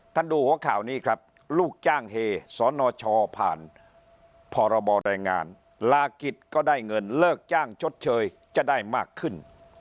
ดูหัวข่าวนี้ครับลูกจ้างเฮสนชผ่านพรบแรงงานลากิจก็ได้เงินเลิกจ้างชดเชยจะได้มากขึ้น